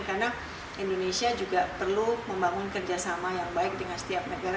karena indonesia juga perlu membangun kerjasama yang baik dengan setiap negara